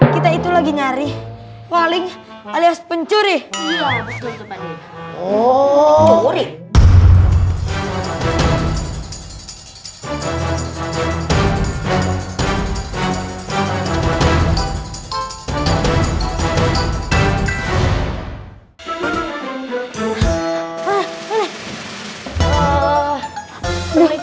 kita itu lagi nyari paling alias pencuri oh